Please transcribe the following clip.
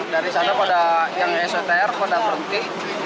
dari sana pada yang sopr pada berhenti